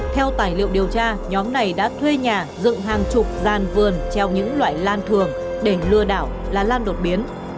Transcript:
theo tài liệu điều tra nhóm này đã thuê nhà dựng hàng chục gian vườn treo những loại lan thường để lừa đảo là lan đột biến